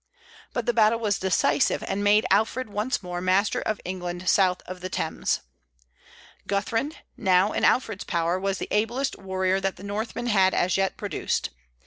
But the battle was decisive, and made Alfred once more master of England south of the Thames. Guthrun, now in Alfred's power, was the ablest warrior that the Northmen had as yet produced.